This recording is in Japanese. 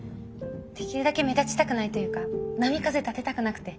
できるだけ目立ちたくないというか波風立てたくなくて。